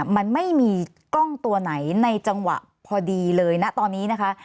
มันไม่มีกล้องตัวไหนในจังหวะพอดีเลยนะตอนนี้นะคะ